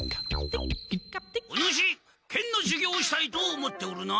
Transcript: お主剣のしゅぎょうをしたいと思っておるな？